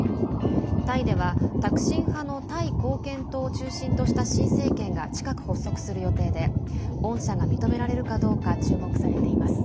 タイでは、タクシン派のタイ貢献党を中心とした新政権が近く発足する予定で恩赦が認められるかどうか注目されています。